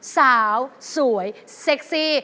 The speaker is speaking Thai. สาวสวยเซ็กซี่